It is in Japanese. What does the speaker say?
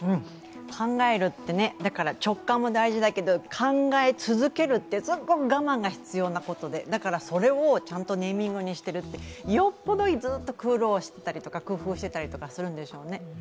考えるってね、だから直感も大事だけど、考え続けるってすっごく我慢が必要なことで、だからそれをちゃんとネーミングにしているってよっぽど、ずっと苦労したり工夫してたりしてるんでしょうね。